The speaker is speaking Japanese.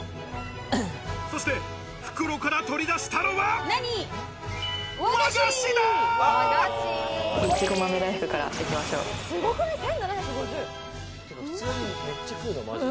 そして袋から取り出したのは、和菓子だ！